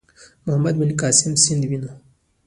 محمد بن قاسم سند ونیو.